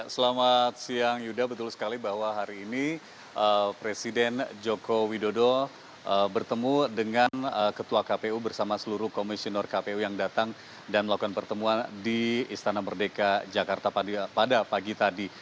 selamat siang yuda betul sekali bahwa hari ini presiden joko widodo bertemu dengan ketua kpu bersama seluruh komisioner kpu yang datang dan melakukan pertemuan di istana merdeka jakarta pada pagi tadi